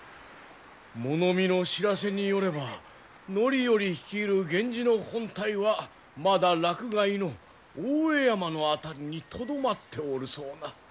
物見の知らせによれば範頼率いる源氏の本隊はまだ洛外の大江山の辺りにとどまっておるそうな。